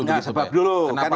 kenapa ada persekusinya